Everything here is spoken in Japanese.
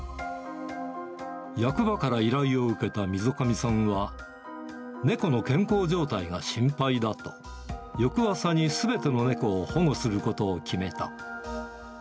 役場から依頼を受けた溝上さんは、猫の健康状態が心配だと、翌朝にすべての猫を保護することを決めた。